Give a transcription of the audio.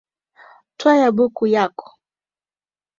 Twalya buku lyako